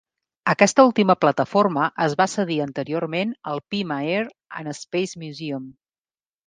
Aquesta última plataforma es va cedir anteriorment al Pima Air and Space Museum.